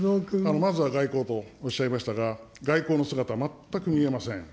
まずは外交とおっしゃいましたが、外交の姿、全く見えません。